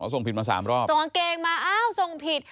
ส่งผิดมา๓รอบส่งกางเกงมาอ้าวส่งผิด